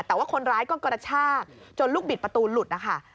แต่ว่าคนร้ายก็กระชากจนลูกบิดประตูหลุดนะคะ